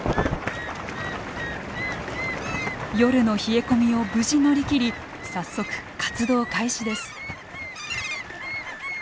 夜の冷え込みを無事乗り切り早速活動開始です。